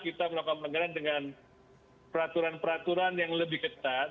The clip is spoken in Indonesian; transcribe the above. kita melakukan pelanggaran dengan peraturan peraturan yang lebih ketat